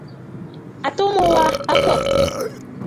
Àtu mu wa a kwô.